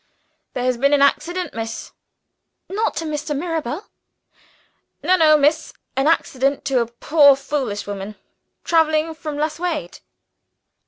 "There has been an accident, miss." "Not to Mr. Mirabel!" "No, no, miss. An accident to a poor foolish woman, traveling from Lasswade."